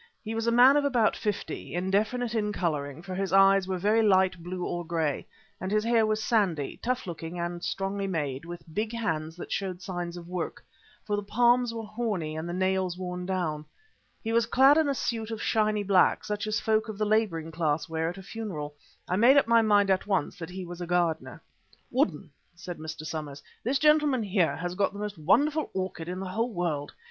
He was a man of about fifty, indefinite in colouring, for his eyes were very light blue or grey and his hair was sandy, tough looking and strongly made, with big hands that showed signs of work, for the palms were horny and the nails worn down. He was clad in a suit of shiny black, such as folk of the labouring class wear at a funeral. I made up my mind at once that he was a gardener. "Woodden," said Mr. Somers, "this gentleman here has got the most wonderful orchid in the whole world.